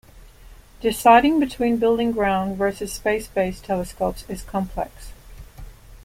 Deciding between building ground- versus space-based telescopes is complex.